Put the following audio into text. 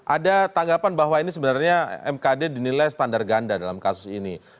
ada tanggapan bahwa ini sebenarnya mkd dinilai standar ganda dalam kasus ini